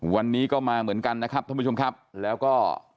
วันนี้ก็มาเหมือนกันนะครับท่านผู้ชมครับแล้วก็